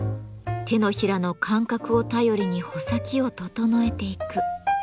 手のひらの感覚を頼りに穂先を整えていく。